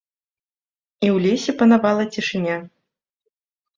І ў лесе панавала цішыня.